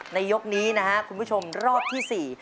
ยกนี้นะครับคุณผู้ชมรอบที่๔